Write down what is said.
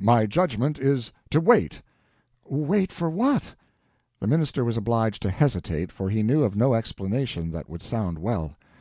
"My judgment is to wait." "Wait for what?" The minister was obliged to hesitate, for he knew of no explanation that would sound well.